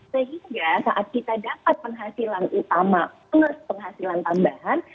sehingga saat kita dapat penghasilan utama plus penghasilan tambahan